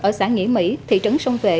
ở xã nghĩa mỹ thị trấn sông vệ